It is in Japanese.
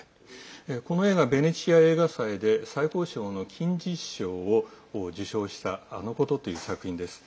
この映画、ベネチア映画祭で最高賞の金獅子賞を受賞した「あのこと」という作品です。